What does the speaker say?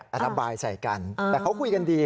ระบายใส่กันแต่เขาคุยกันดี